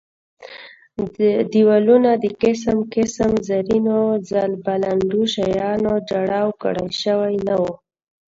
دېوالونه د قسم قسم زرینو ځل بلاندو شیانو جړاو کړل شوي نه وو.